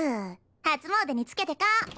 初詣につけてこ！